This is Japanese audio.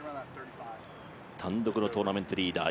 単独のトーナメントリーダー